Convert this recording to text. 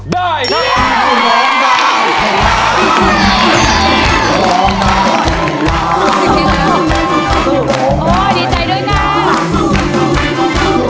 ได้ครับ